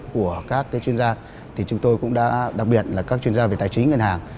của các chuyên gia thì chúng tôi cũng đã đặc biệt là các chuyên gia về tài chính ngân hàng